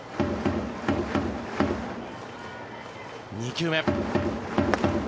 ２球目。